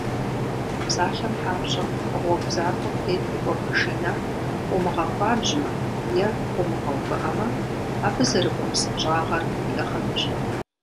Псалъэм папщӏэ, гъуэгу захуэм тету кӏуэ машинэр, умыгъэхуабжьмэ е къыумыгъэувыӏэмэ, абы зэрыкӏуэ псынщӏагъэр иӏыгъынущ.